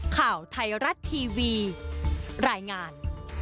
ข่าวไทยรัฐทีวีรายงาน